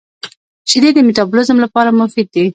• شیدې د مټابولیزم لپاره مفید دي.